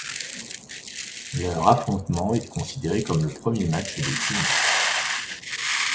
Leur affrontement est considéré comme le premier match de Sumo.